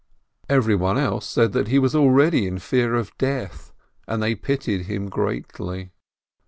Every one else said that he was already in fear of death, and they pitied him greatly.